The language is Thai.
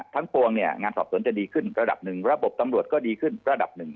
ปวงเนี่ยงานสอบสวนจะดีขึ้นระดับหนึ่งระบบตำรวจก็ดีขึ้นระดับหนึ่ง